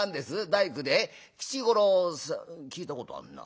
大工で吉五郎聞いたことあんな。